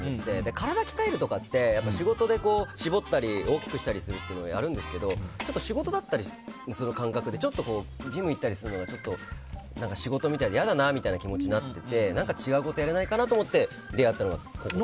体鍛えるとかって仕事で絞ったり大きくしたりっていうのやるんですけどやるんですけどちょっと仕事だったりする感覚でちょっとジム行ったりするのが仕事みたいで嫌だなみたいな気持ちになってて違うことやれないかなと思って出会ったのが、ここで。